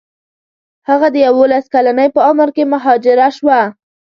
هغه د یوولس کلنۍ په عمر کې مهاجره شوه.